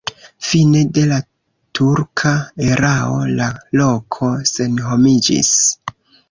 Fine de la turka erao la loko senhomiĝis.